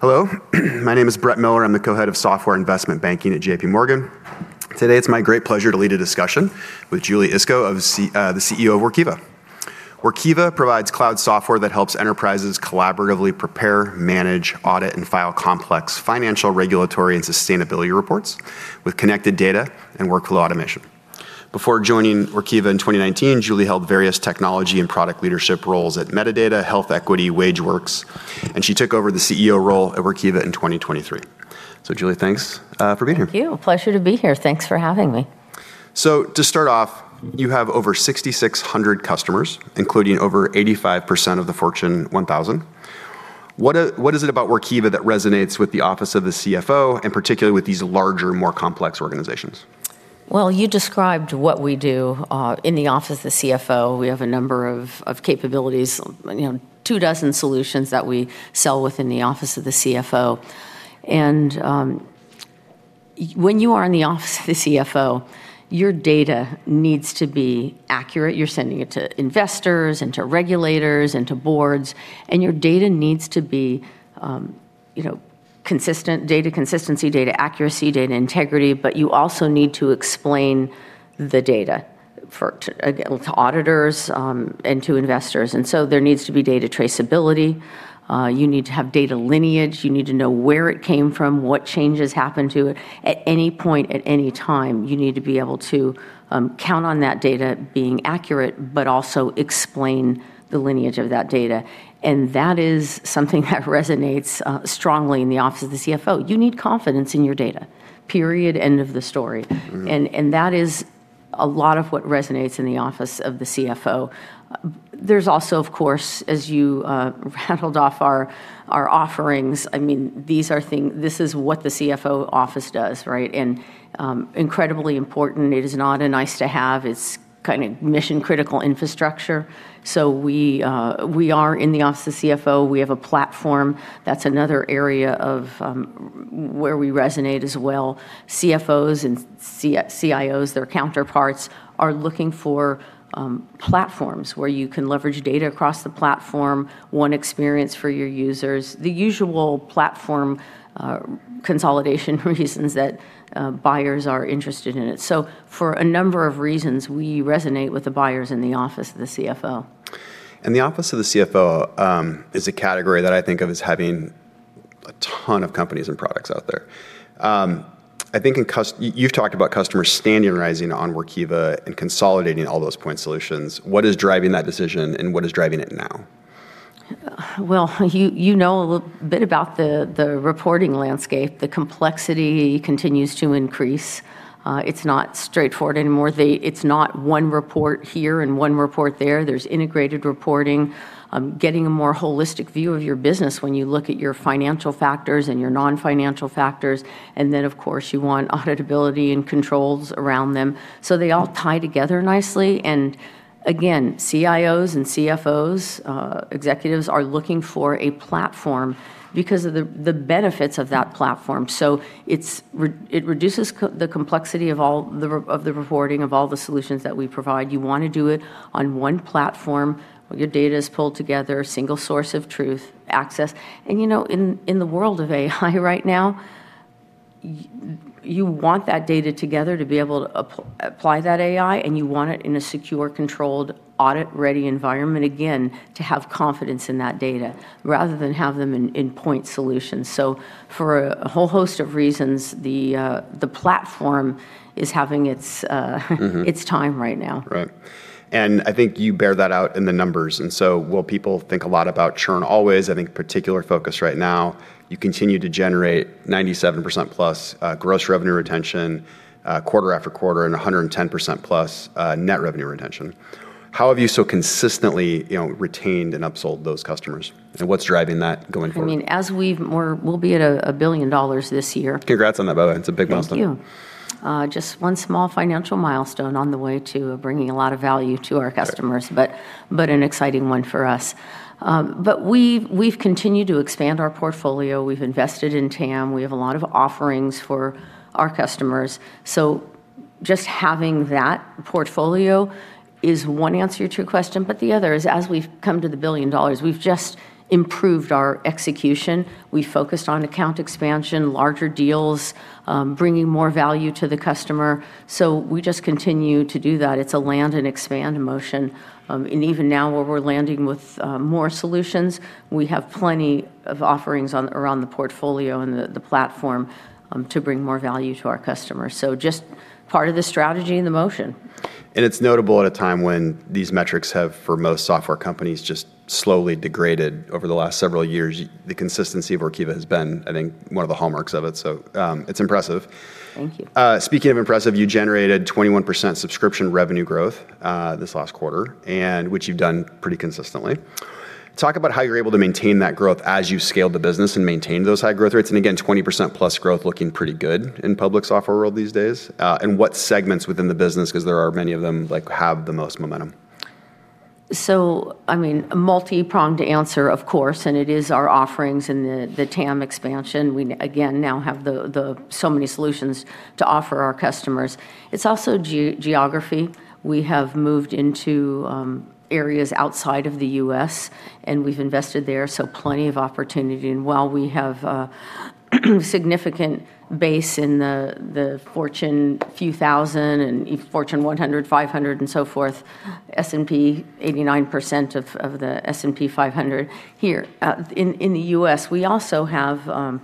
Hello. My name is Brett Miller. I'm the Co-Head of Software Investment Banking at JPMorgan. Today, it's my great pleasure to lead a discussion with Julie Iskow, the CEO of Workiva. Workiva provides cloud software that helps enterprises collaboratively prepare, manage, audit, and file complex financial, regulatory, and sustainability reports with connected data and workflow automation. Before joining Workiva in 2019, Julie held various technology and product leadership roles at Medidata, HealthEquity, WageWorks, and she took over the CEO role at Workiva in 2023. So Julie, thanks for being here. Thank you. Pleasure to be here. Thanks for having me. To start off, you have over 6,600 customers, including over 85% of the Fortune 1000. What is it about Workiva that resonates with the Office of the CFO, and particularly with these larger, more complex organizations? Well, you described what we do in the Office of the CFO. We have a number of capabilities, two dozen solutions that we sell within the Office of the CFO. When you are in the Office of the CFO, your data needs to be accurate. You're sending it to investors, and to regulators, and to boards, and your data needs to be data consistency, data accuracy, data integrity. You also need to explain the data to auditors and to investors. There needs to be data traceability. You need to have data lineage. You need to know where it came from, what changes happened to it. At any point, at any time, you need to be able to count on that data being accurate, but also explain the lineage of that data. That is something that resonates strongly in the Office of the CFO. You need confidence in your data, period, end of the story. That is a lot of what resonates in the Office of the CFO. There's also, of course, as you rattled off our offerings, this is what the CFO office does. Incredibly important, it is not a nice-to-have. It's mission-critical infrastructure. We are in the office of CFO. We have a platform. That's another area of where we resonate as well. CFOs and CIOs, their counterparts, are looking for platforms where you can leverage data across the platform, one experience for your users, the usual platform consolidation reasons that buyers are interested in it. For a number of reasons, we resonate with the buyers in the Office of the CFO. The Office of the CFO is a category that I think of as having a ton of companies and products out there. You've talked about customers standardizing on Workiva and consolidating all those point solutions. What is driving that decision, and what is driving it now? Well, you know a little bit about the reporting landscape. The complexity continues to increase. It's not straightforward anymore. It's not one report here and one report there. There's integrated reporting, getting a more holistic view of your business when you look at your financial factors and your non-financial factors, and then, of course, you want auditability and controls around them. They all tie together nicely, and again, CIOs and CFOs, executives are looking for a platform because of the benefits of that platform. It reduces the complexity of the reporting of all the solutions that we provide. You want to do it on one platform where your data is pulled together, single source of truth, access. In the world of AI right now, you want that data together to be able to apply that AI, and you want it in a secure, controlled, audit-ready environment, again, to have confidence in that data rather than have them in point solutions. For a whole host of reasons, the platform is having it's, it's time right now. Right. I think you bear that out in the numbers. While people think a lot about churn always, I think particular focus right now, you continue to generate 97%+ gross revenue retention quarter-after-quarter and 110%+ net revenue retention. How have you so consistently retained and upsold those customers, and what's driving that going forward? We'll be at $1 billion this year. Congrats on that, by the way. It's a big milestone. Thank you. Just one small financial milestone on the way to bringing a lot of value to our customers. Right. An exciting one for us. We've continued to expand our portfolio. We've invested in TAM. We have a lot of offerings for our customers. Just having that portfolio is one answer to your question, but the other is, as we've come to the $1 billion, we've just improved our execution. We focused on account expansion, larger deals, bringing more value to the customer. We just continue to do that. It's a land and expand motion. Even now where we're landing with more solutions, we have plenty of offerings around the portfolio and the platform to bring more value to our customers. Just part of the strategy and the motion. It's notable at a time when these metrics have, for most software companies, just slowly degraded over the last several years. The consistency of Workiva has been, I think, one of the hallmarks of it, so it's impressive. Thank you. Speaking of impressive, you generated 21% subscription revenue growth this last quarter, and which you've done pretty consistently. Talk about how you're able to maintain that growth as you've scaled the business and maintained those high growth rates, and again, 20%+ growth looking pretty good in public software world these days. What segments within the business, because there are many of them, have the most momentum? A multi-pronged answer, of course, and it is our offerings and the TAM expansion. We again now have so many solutions to offer our customers. It's also geography. We have moved into areas outside of the U.S., and we've invested there, so plenty of opportunity. While we have significant base in the Fortune few thousand and Fortune 100, Fortune 500, and so forth, S&P, 89% of the S&P 500 here in the U.S. We also have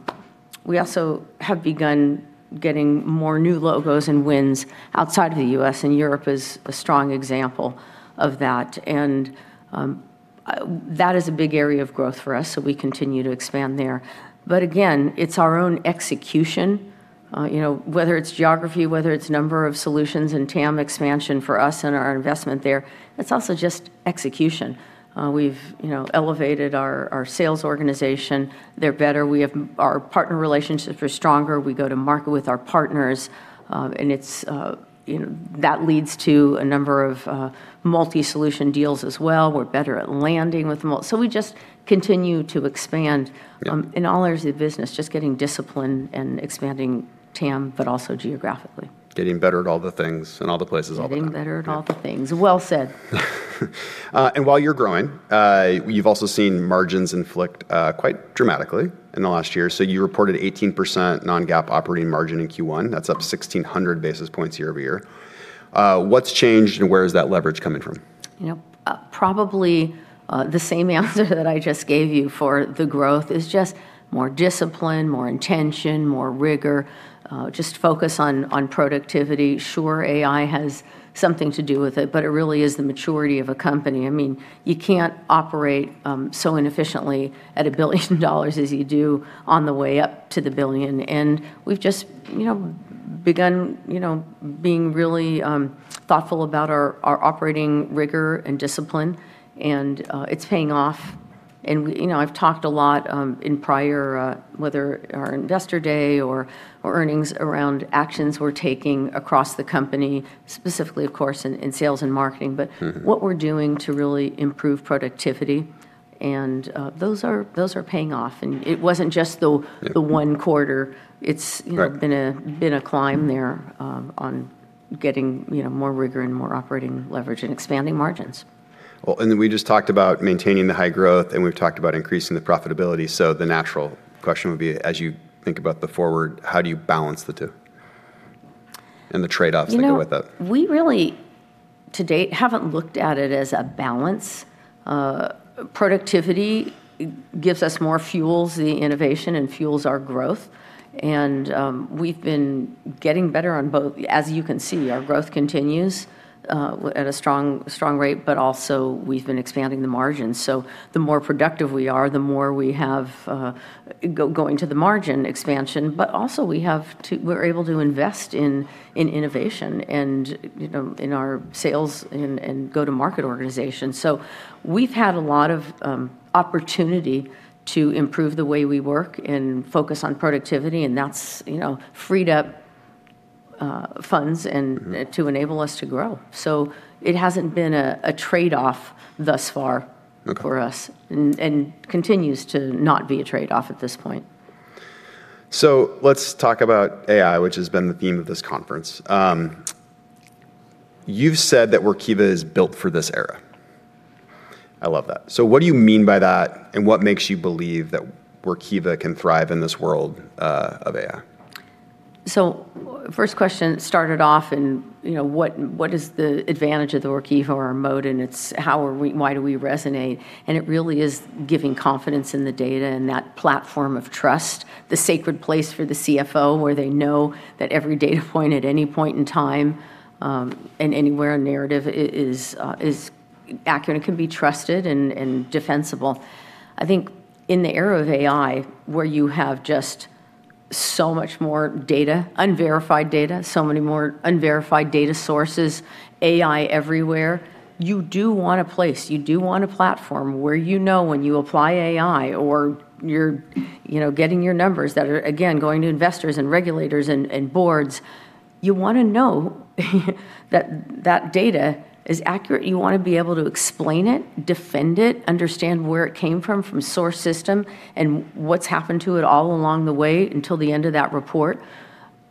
begun getting more new logos and wins outside of the U.S., and Europe is a strong example of that. That is a big area of growth for us, so we continue to expand there. Again, it's our own execution, whether it's geography, whether it's number of solutions and TAM expansion for us and our investment there, it's also just execution. We've elevated our sales organization. They're better. Our partner relationships are stronger. We go to market with our partners. That leads to a number of multi-solution deals as well. We're better at landing with them all. We just continue to expand, Yeah. in all areas of the business, just getting disciplined and expanding TAM, but also geographically. Getting better at all the things and all the places all the time. Getting better at all the things. Well said. While you're growing, you've also seen margins inflict quite dramatically in the last year. You reported 18% non-GAAP operating margin in Q1. That's up 1,600 basis points year-over-year. What's changed and where is that leverage coming from? Probably the same answer that I just gave you for the growth, is just more discipline, more intention, more rigor, just focus on productivity. Sure, AI has something to do with it really is the maturity of a company. You can't operate so inefficiently at $1 billion as you do on the way up to $1 billion. We've just begun being really thoughtful about our operating rigor and discipline, and it's paying off. I've talked a lot in prior, whether our Investor Day or earnings around actions we're taking across the company, specifically of course in sales and marketing. What we're doing to really improve productivity, and those are paying off. It wasn't just the one quarter. Right. It's been a climb there on getting more rigor and more operating leverage and expanding margins. Well, we just talked about maintaining the high growth, and we've talked about increasing the profitability. The natural question would be as you think about the forward, how do you balance the two and the trade-offs that go with it? You know, we really to date haven't looked at it as a balance. Productivity gives us more fuels in the innovation and fuels our growth, and we've been getting better on both. As you can see, our growth continues at a strong rate, but also we've been expanding the margins. The more productive we are, the more we have going to the margin expansion, but also we're able to invest in innovation and in our sales and go-to-market organization. We've had a lot of opportunity to improve the way we work and focus on productivity, and that's freed up funds to enable us to grow. It hasn't been a trade-off thus far, Okay. for us, continues to not be a trade-off at this point. Let's talk about AI, which has been the theme of this conference. You've said that Workiva is built for this era. I love that. What do you mean by that, and what makes you believe that Workiva can thrive in this world of AI? First question started off in what is the advantage of the Workiva or our mode, and it's why do we resonate? It really is giving confidence in the data and that platform of trust, the sacred place for the CFO, where they know that every data point at any point in time, and anywhere narrative is accurate and can be trusted and defensible. I think in the era of AI, where you have just so much more data, unverified data, so many more unverified data sources, AI everywhere, you do want a place, you do want a platform where you know when you apply AI or you're getting your numbers that are, again, going to investors and regulators and boards, you want to know that data is accurate. You want to be able to explain it, defend it, understand where it came from source system and what's happened to it all along the way until the end of that report.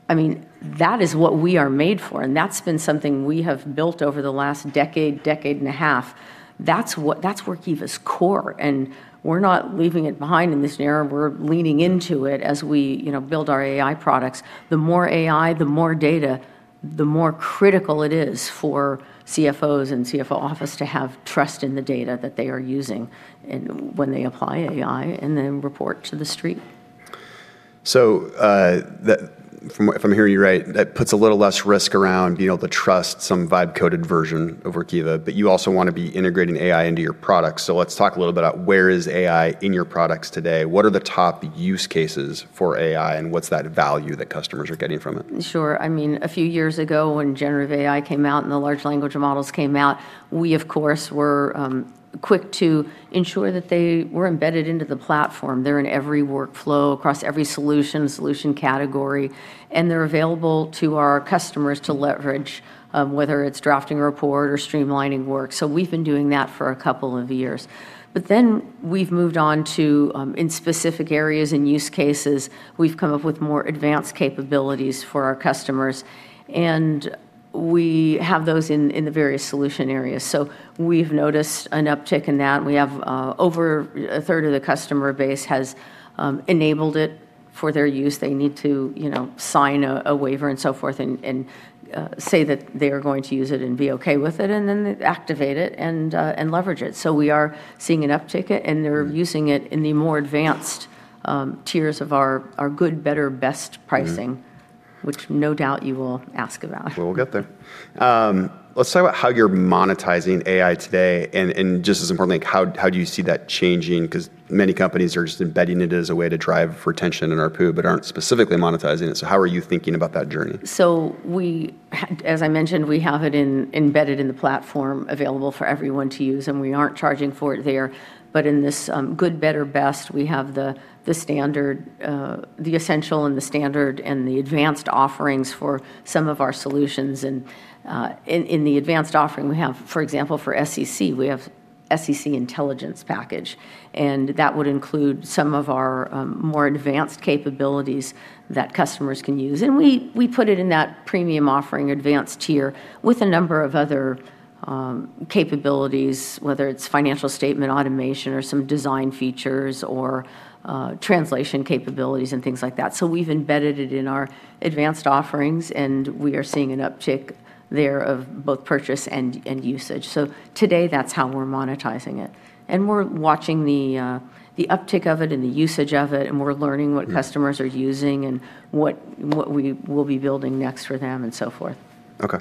That is what we are made for, and that's been something we have built over the last decade and a half. That's Workiva's core, and we're not leaving it behind in this era. We're leaning into it as we build our AI products. The more AI, the more data, the more critical it is for CFOs and CFO office to have trust in the data that they are using, and when they apply AI and then report to the street. If I'm hearing you right, that puts a little less risk around being able to trust some vibe coded version of Workiva, but you also want to be integrating AI into your products. Let's talk a little bit about where is AI in your products today. What are the top use cases for AI, and what's that value that customers are getting from it? Sure. A few years ago when generative AI came out and the large language models came out, we of course were quick to ensure that they were embedded into the platform. They're in every workflow across every solution category, they're available to our customers to leverage, whether it's drafting a report or streamlining work. We've been doing that for a couple of years. We've moved on to, in specific areas and use cases, we've come up with more advanced capabilities for our customers. We have those in the various solution areas. We've noticed an uptick in that. We have over a third of the customer base has enabled it for their use. They need to sign a waiver and so forth and say that they are going to use it and be okay with it, then activate it and leverage it. We are seeing an uptick, and they're using it in the more advanced tiers of our good, better, best pricing, which no doubt you will ask about. We'll get there. Let's talk about how you're monetizing AI today and just as importantly, how do you see that changing? Many companies are just embedding it as a way to drive retention and ARPU, but aren't specifically monetizing it. How are you thinking about that journey? As I mentioned, we have it embedded in the platform available for everyone to use, and we aren't charging for it there. In this good, better, best, we have the essential and the standard, and the advanced offerings for some of our solutions. In the advanced offering we have, for example, for SEC, we have SEC intelligence package, and that would include some of our more advanced capabilities that customers can use. We put it in that premium offering advanced tier with a number of other capabilities, whether it's financial statement automation or some design features or translation capabilities and things like that. We've embedded it in our advanced offerings, and we are seeing an uptick there of both purchase and usage. Today, that's how we're monetizing it, and we're watching the uptick of it and the usage of it, and we're learning what customers are using and what we will be building next for them and so forth. Okay.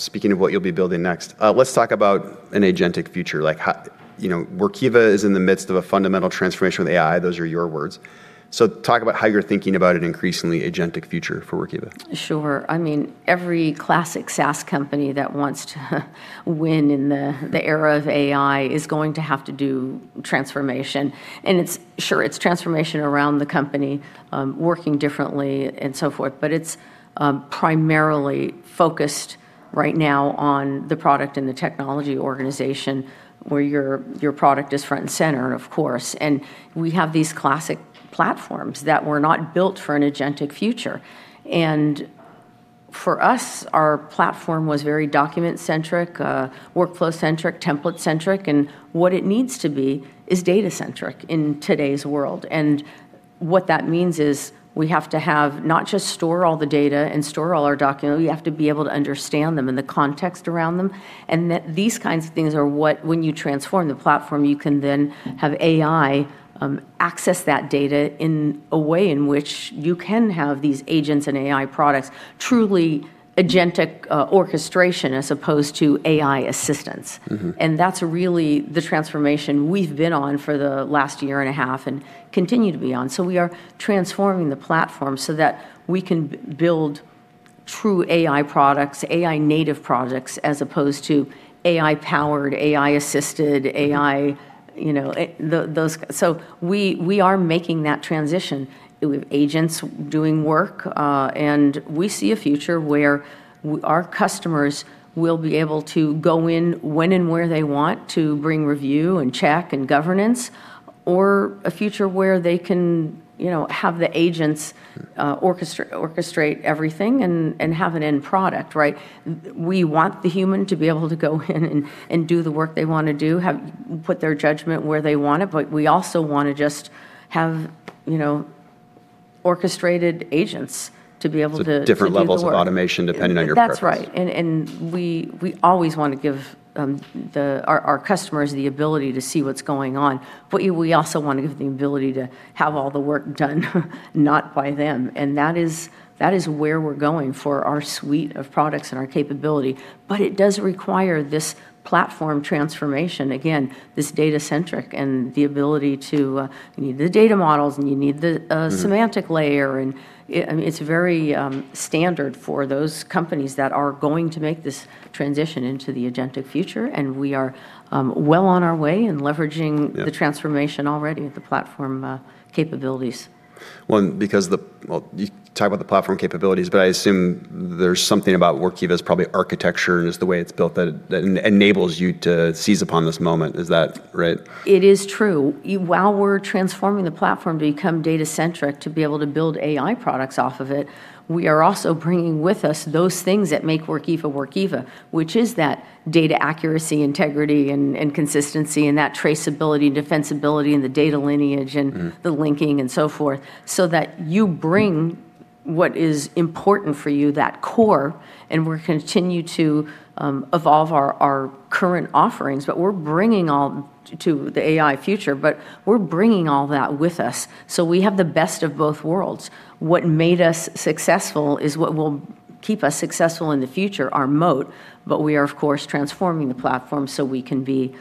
Speaking of what you'll be building next, let's talk about an agentic future. Workiva is in the midst of a fundamental transformation with AI. Those are your words. Talk about how you're thinking about an increasingly agentic future for Workiva. Sure. Every classic SaaS company that wants to win in the era of AI is going to have to do transformation, and sure, it's transformation around the company, working differently and so forth, but it's primarily focused right now on the product and the technology organization where your product is front and center, of course. We have these classic platforms that were not built for an agentic future. For us, our platform was very document centric, workflow centric, template centric, and what it needs to be is data centric in today's world. What that means is we have to have not just store all the data and store all our documents, we have to be able to understand them and the context around them. That these kinds of things are what when you transform the platform, you can then have AI access that data in a way in which you can have these agents and AI products truly agentic orchestration as opposed to AI assistance. That's really the transformation we've been on for the last year and a half and continue to be on. We are transforming the platform so that we can build true AI products, AI native products, as opposed to AI powered, AI assisted. We are making that transition with agents doing work. We see a future where our customers will be able to go in when and where they want to bring review and check and governance, or a future where they can have the agents orchestrate everything and have an end product, right? We want the human to be able to go in and do the work they want to do, put their judgment where they want it, but we also want to just have orchestrated agents to be able to do the work. Different levels of automation depending on your preference. That's right. We always want to give our customers the ability to see what's going on. We also want to give the ability to have all the work done not by them. That is where we're going for our suite of products and our capability. It does require this platform transformation. Again, this data-centric, you need the data models. You need the semantic layering, it's very standard for those companies that are going to make this transition into the agentic future. We are well on our way in leveraging. Yeah. The transformation already of the platform capabilities. Well, you talk about the platform capabilities, but I assume there's something about Workiva's probably architecture and just the way it's built that enables you to seize upon this moment. Is that right? It is true. While we're transforming the platform to become data centric to be able to build AI products off of it, we are also bringing with us those things that make Workiva. Which is that data accuracy, integrity, and consistency, and that traceability and defensibility, and the data lineage. The linking and so forth, so that you bring what is important for you, that core, and we continue to evolve our current offerings to the AI future, but we're bringing all that with us. We have the best of both worlds. What made us successful is what will keep us successful in the future, our moat, but we are, of course, transforming the platform so that we can be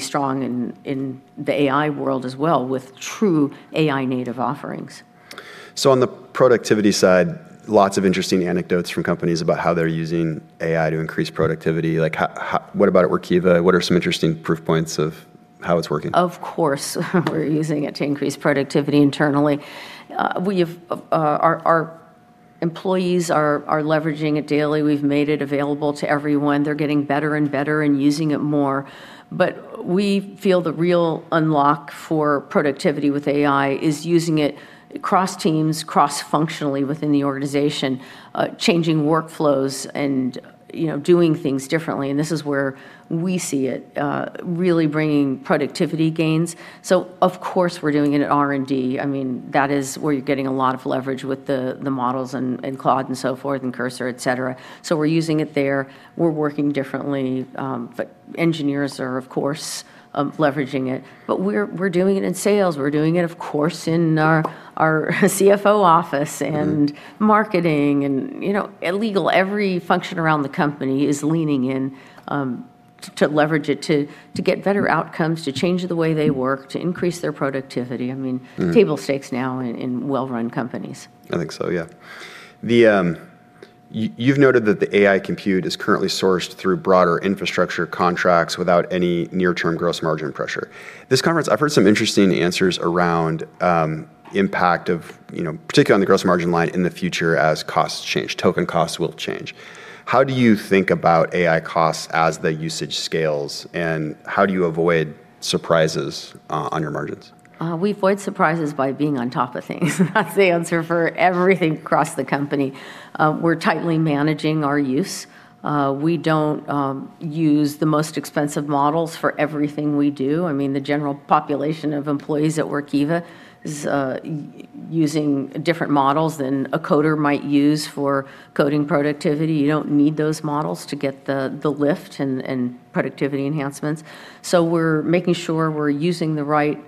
strong in the AI world as well with true AI native offerings. On the productivity side, lots of interesting anecdotes from companies about how they're using AI to increase productivity. What about at Workiva? What are some interesting proof points of how it's working? Of course, we're using it to increase productivity internally. Our employees are leveraging it daily. We've made it available to everyone. They're getting better and better and using it more. We feel the real unlock for productivity with AI is using it cross-teams, cross-functionally within the organization, changing workflows and doing things differently. This is where we see it really bringing productivity gains. Of course, we're doing it at R&D. That is where you're getting a lot of leverage with the models and Claude and so forth, and Cursor, et cetera. We're using it there. We're working differently. Engineers are, of course, leveraging it. We're doing it in sales. We're doing it, of course, in our CFO office and marketing and legal. Every function around the company is leaning in to leverage it to get better outcomes, to change the way they work, to increase their productivity. I mean, table stakes now in well-run companies. I think so, yeah. You've noted that the AI compute is currently sourced through broader infrastructure contracts without any near-term gross margin pressure. This conference, I've heard some interesting answers around impact of, particularly on the gross margin line in the future as costs change, token costs will change. How do you think about AI costs as the usage scales, and how do you avoid surprises on your margins? We avoid surprises by being on top of things. That's the answer for everything across the company. We're tightly managing our use. We don't use the most expensive models for everything we do. The general population of employees at Workiva is using different models than a coder might use for coding productivity. You don't need those models to get the lift and productivity enhancements. We're making sure we're using the right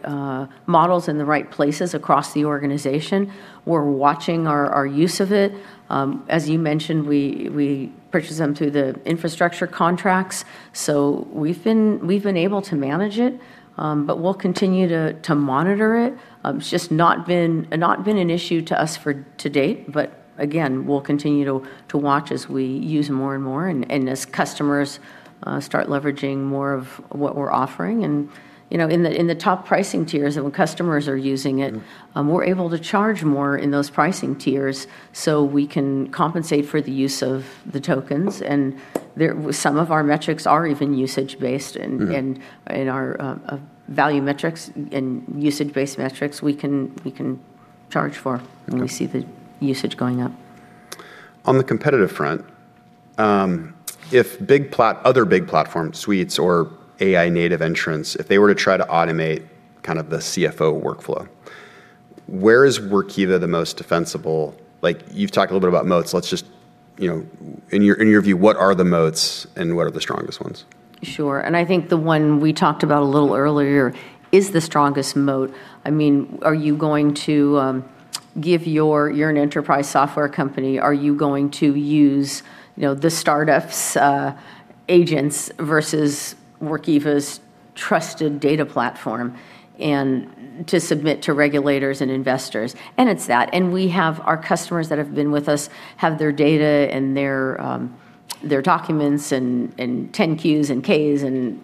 models in the right places across the organization. We're watching our use of it. As you mentioned, we purchase them through the infrastructure contracts, so we've been able to manage it. We'll continue to monitor it. It's just not been an issue to us to date. Again, we'll continue to watch as we use more and more and as customers start leveraging more of what we're offering. In the top pricing tiers, and when customers are using it, we're able to charge more in those pricing tiers so we can compensate for the use of the tokens. Some of our metrics are even usage-based. Our value metrics and usage-based metrics we can charge for. Okay. When we see the usage going up. On the competitive front, if other big platform suites or AI native entrants, if they were to try to automate the CFO workflow, where is Workiva the most defensible? You've talked a little bit about moats. In your view, what are the moats, and what are the strongest ones? Sure. I think the one we talked about a little earlier is the strongest moat. I mean, are you going to give your, you're an enterprise software company, are you going to use the startup's agents versus Workiva's trusted data platform to submit to regulators and investors? It's that. We have our customers that have been with us have their data and their documents and 10-Qs and Ks and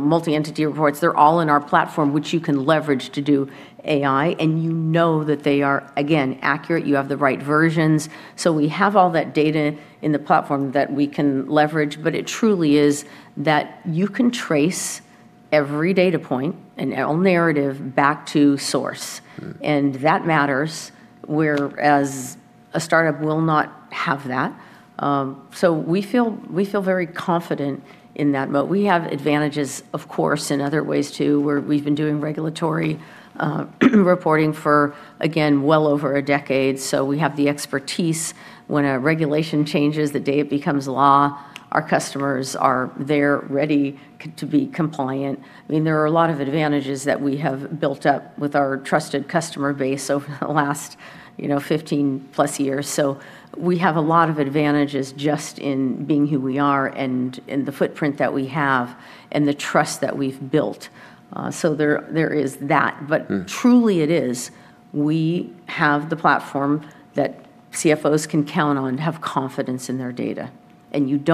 multi-entity reporting. They're all in our platform, which you can leverage to do AI. You know that they are, again, accurate. You have the right versions. We have all that data in the platform that we can leverage. It truly is that you can trace every data point and all narrative back to source. That matters, whereas a startup will not have that. We feel very confident in that moat. We have advantages, of course, in other ways, too, where we've been doing regulatory reporting for, again, well over a decade. We have the expertise. When a regulation changes, the day it becomes law, our customers are there ready to be compliant. There are a lot of advantages that we have built up with our trusted customer base over the last 15+ years. We have a lot of advantages just in being who we are and the footprint that we have and the trust that we've built. There is that. Truly it is we have the platform that CFOs can count on, have confidence in their data. Some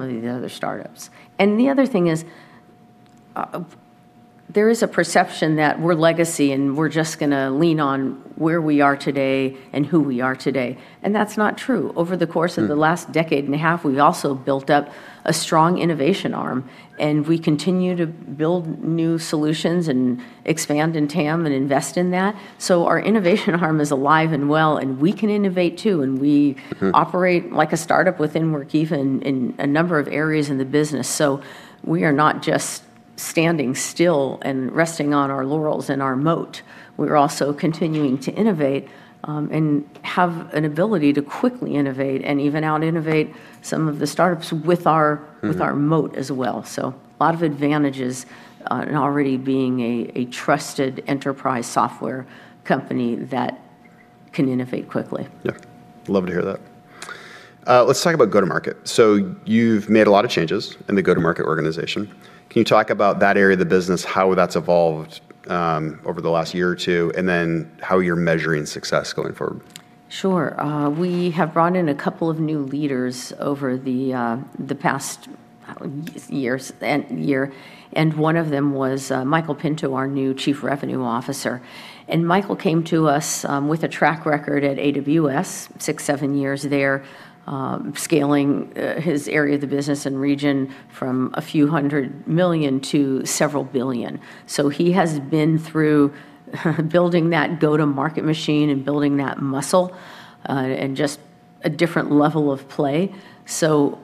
of the other startups. The other thing is there is a perception that we're legacy, and we're just going to lean on where we are today and who we are today, and that's not true. Of the last decade and a half, we've also built up a strong innovation arm, and we continue to build new solutions and expand in TAM and invest in that. Our innovation arm is alive and well, and we can innovate, too. We operate like a startup within Workiva in a number of areas in the business. We are not just standing still and resting on our laurels and our moat. We're also continuing to innovate, and have an ability to quickly innovate and even out-innovate some of the startups with our moat as well. A lot of advantages in already being a trusted enterprise software company that can innovate quickly. Yeah. Love to hear that. Let's talk about go-to-market. You've made a lot of changes in the go-to-market organization. Can you talk about that area of the business, how that's evolved over the last year or two, and then how you're measuring success going forward? Sure. We have brought in a couple of new leaders over the past year. One of them was Michael Pinto, our new Chief Revenue Officer. Michael came to us with a track record at AWS, six, seven years there, scaling his area of the business and region from a few hundred million to several billion. He has been through building that go-to-market machine and building that muscle, and just a different level of play.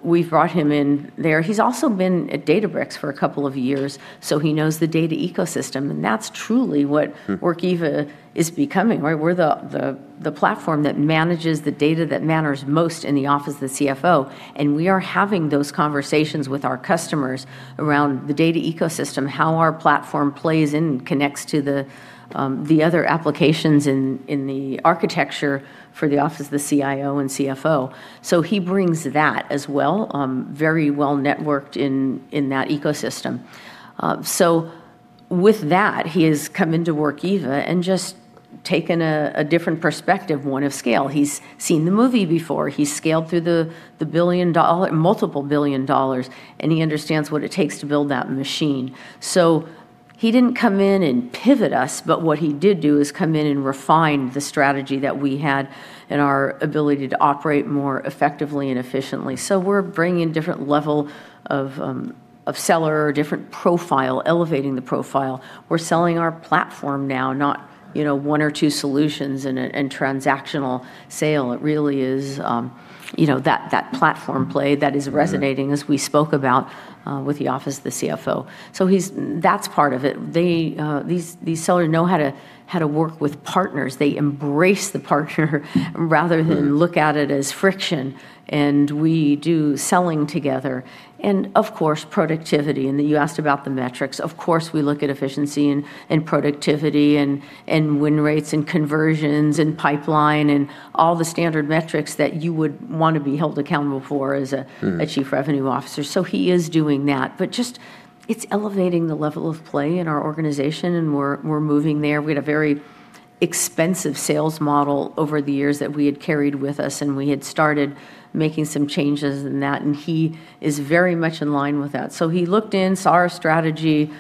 We've brought him in there. He's also been at Databricks for a couple of years, so he knows the data ecosystem. That's truly what Workiva is becoming, right? We're the platform that manages the data that matters most in the Office of the CFO. We are having those conversations with our customers around the data ecosystem, how our platform plays and connects to the other applications in the architecture for the Office of the CIO and CFO. He brings that as well, very well-networked in that ecosystem. With that, he has come into Workiva and just taken a different perspective, one of scale. He's seen the movie before. He's scaled through the multiple billion dollars, and he understands what it takes to build that machine. He didn't come in and pivot us, but what he did do is come in and refine the strategy that we had and our ability to operate more effectively and efficiently. We're bringing a different level of seller, a different profile, elevating the profile. We're selling our platform now, not one or two solutions and a transactional sale. It really is that platform play that is resonating, Yeah. as we spoke about with the Office of the CFO. That's part of it. These sellers know how to work with partners. They embrace the partner. Look at it as friction. We do selling together. Of course, productivity, and then you asked about the metrics. Of course, we look at efficiency and productivity and win rates and conversions and pipeline and all the standard metrics that you would want to be held accountable for as a Chief Revenue Officer. He is doing that, but just, it's elevating the level of play in our organization, and we're moving there. We had a very expensive sales model over the years that we had carried with us, and we had started making some changes in that, and he is very much in line with that. He looked in, saw our strategy,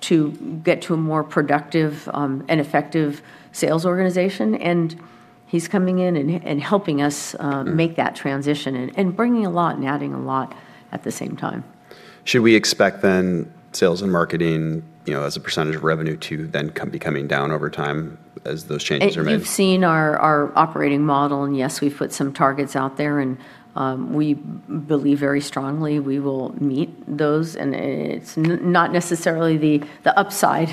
to get to a more productive, and effective sales organization, and he's coming in and helping us- make that transition and bringing a lot and adding a lot at the same time. Should we expect then, sales and marketing, as a percentage of revenue to then be coming down over time as those changes are made? You've seen our operating model, and yes, we've put some targets out there, and we believe very strongly we will meet those, and it's not necessarily the upside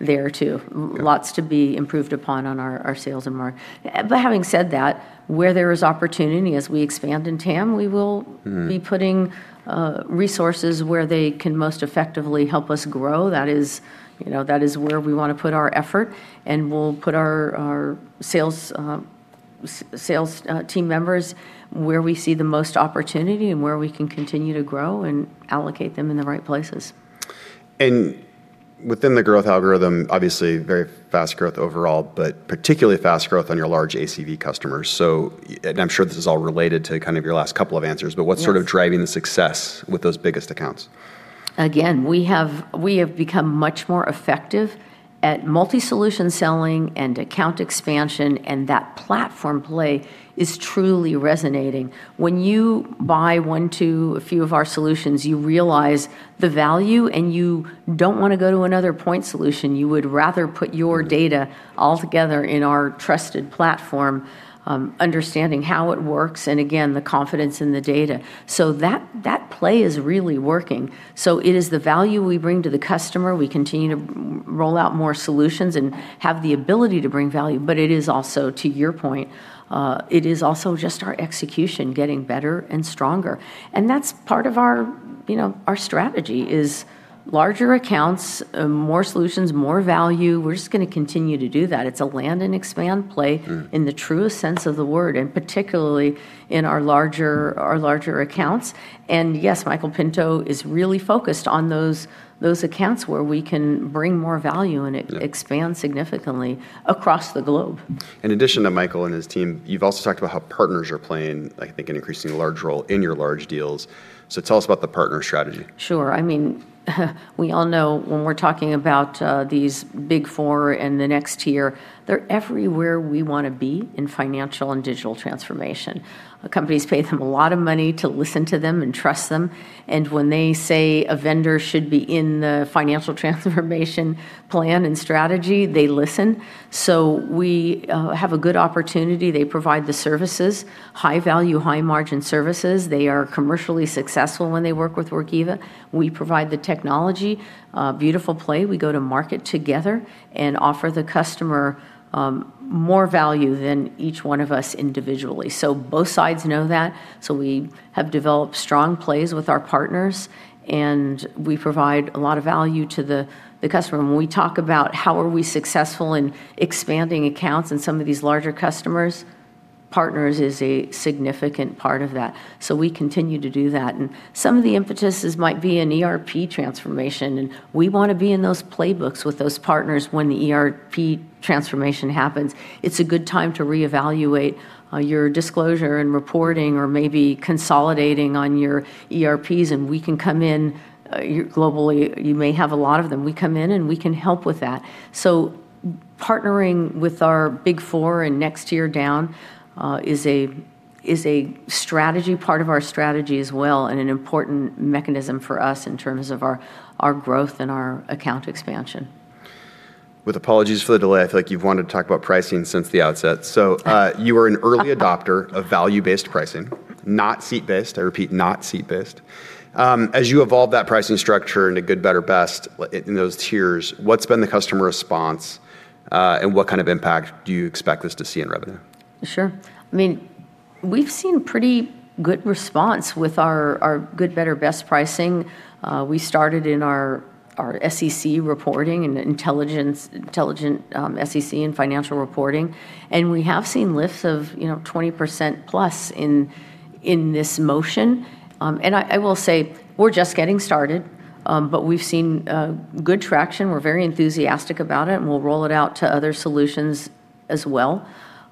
there, too. Yeah. Lots to be improved upon on our sales. Having said that, where there is opportunity as we expand in TAM. We will be putting resources where they can most effectively help us grow. That is where we want to put our effort, and we'll put our sales team members where we see the most opportunity and where we can continue to grow and allocate them in the right places. Within the growth algorithm, obviously very fast growth overall, but particularly fast growth on your large ACV customers. I'm sure this is all related to your last couple of answers. Yes. What's sort of driving the success with those biggest accounts? Again, we have become much more effective at multi-solution selling and account expansion, and that platform play is truly resonating. When you buy one, two, a few of our solutions, you realize the value, and you don't want to go to another point solution. You would rather put your data all together in our trusted platform, understanding how it works, and again, the confidence in the data. That play is really working. It is the value we bring to the customer. We continue to roll out more solutions and have the ability to bring value, but it is also, to your point, it is also just our execution getting better and stronger. That's part of our strategy is larger accounts, more solutions, more value. We're just going to continue to do that. It's a land and expand play. In the truest sense of the word, and particularly in our larger accounts. Yes, Michael Pinto is really focused on those accounts where we can bring more value, Yeah. expands significantly across the globe. In addition to Michael and his team, you've also talked about how partners are playing, I think, an increasingly large role in your large deals. Tell us about the partner strategy. Sure. We all know when we're talking about these Big 4 and the next tier, they're everywhere we want to be in financial and digital transformation. Companies pay them a lot of money to listen to them and trust them, and when they say a vendor should be in the financial transformation plan and strategy, they listen. We have a good opportunity. They provide the services, high value, high margin services. They are commercially successful when they work with Workiva. We provide the technology, beautiful play. We go to market together and offer the customer more value than each one of us individually. Both sides know that, so we have developed strong plays with our partners, and we provide a lot of value to the customer. When we talk about how are we successful in expanding accounts in some of these larger customers. Partners is a significant part of that. We continue to do that. Some of the impetuses might be an ERP transformation, and we want to be in those playbooks with those partners when the ERP transformation happens. It's a good time to reevaluate your disclosure and reporting or maybe consolidating on your ERPs, and we can come in globally, you may have a lot of them. We come in and we can help with that. Partnering with our Big 4 and next tier down is a strategy, part of our strategy as well, and an important mechanism for us in terms of our growth and our account expansion. With apologies for the delay, I feel like you've wanted to talk about pricing since the outset. You were an early adopter of value-based pricing, not seat-based, I repeat, not seat-based. As you evolve that pricing structure into good, better, best in those tiers, what's been the customer response, and what kind of impact do you expect this to see in revenue? Sure. We've seen pretty good response with our good, better, best pricing. We started in our SEC reporting and intelligent SEC and financial reporting, and we have seen lifts of 20%+ in this motion. I will say we're just getting started, but we've seen good traction. We're very enthusiastic about it, and we'll roll it out to other solutions as well.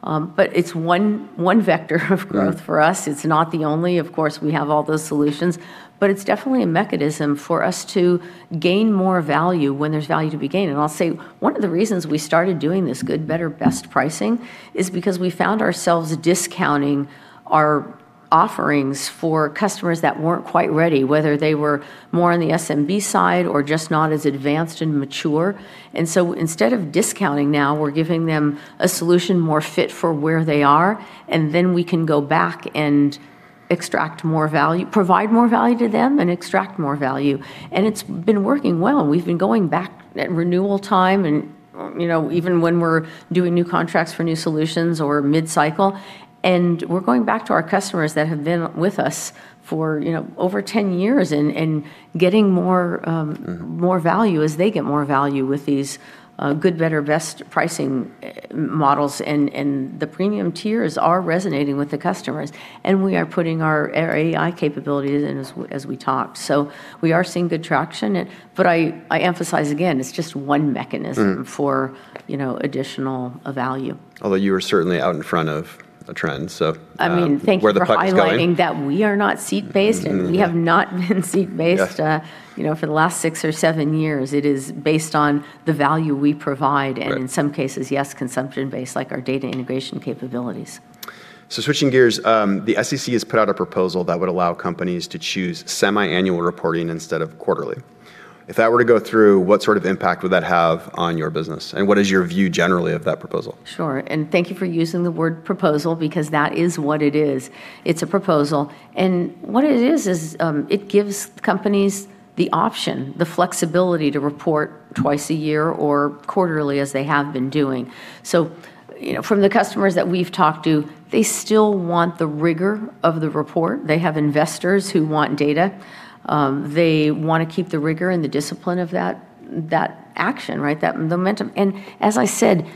It's one vector of growth for us. It's not the only, of course, we have all those solutions, but it's definitely a mechanism for us to gain more value when there's value to be gained. I'll say one of the reasons we started doing this good, better, best pricing is because we found ourselves discounting our offerings for customers that weren't quite ready, whether they were more on the SMB side or just not as advanced and mature. Instead of discounting now, we're giving them a solution more fit for where they are, we can go back and provide more value to them and extract more value. It's been working well. We've been going back at renewal time and even when we're doing new contracts for new solutions or mid-cycle, we're going back to our customers that have been with us for over 10 years and getting more value as they get more value with these good, better, best pricing models. The premium tiers are resonating with the customers, and we are putting our AI capabilities in as we talked. We are seeing good traction. I emphasize again, it's just one mechanism for additional value. Although you are certainly out in front of a trend, so where the puck is going. Thank you for highlighting that we are not seat-based, and we have not been seat-based for the last six or seven years. It is based on the value we provide, and in some cases, yes, consumption-based, like our data integration capabilities. Switching gears, the SEC has put out a proposal that would allow companies to choose semi-annual reporting instead of quarterly. If that were to go through, what sort of impact would that have on your business? What is your view generally of that proposal? Sure, thank you for using the word proposal because that is what it is. It's a proposal, and what it is is it gives companies the option, the flexibility to report twice a year or quarterly as they have been doing. From the customers that we've talked to, they still want the rigor of the report. They have investors who want data. They want to keep the rigor and the discipline of that action, that momentum. As I said,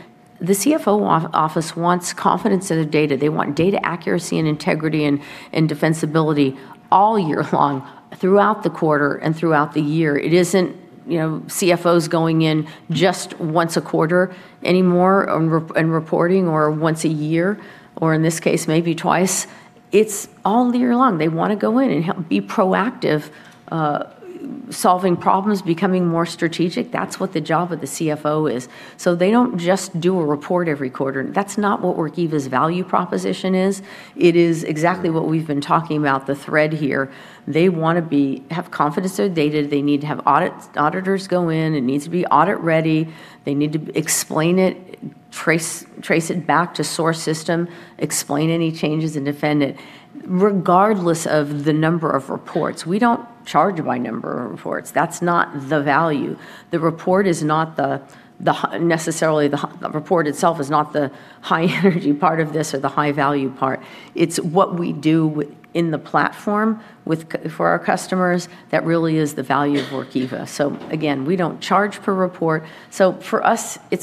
the CFO office wants confidence in the data. They want data accuracy and integrity and defensibility all year long throughout the quarter and throughout the year. It isn't CFOs going in just once a quarter anymore and reporting or once a year, or in this case, maybe twice. It's all year long. They want to go in and be proactive, solving problems, becoming more strategic. That's what the job of the CFO is. They don't just do a report every quarter. That's not what Workiva's value proposition is. It is exactly what we've been talking about, the thread here. They want to have confidence in their data. They need to have auditors go in. It needs to be audit ready. They need to explain it, trace it back to source system, explain any changes, and defend it. Regardless of the number of reports, we don't charge by number of reports. That's not the value. Necessarily, the report itself is not the high energy part of this or the high-value part. It's what we do in the platform for our customers that really is the value of Workiva. Again, we don't charge per report, so for us, it's a.